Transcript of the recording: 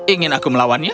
ingin aku melawannya